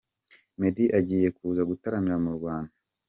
Meddy agiye kuza gutaramira mu Rwanda.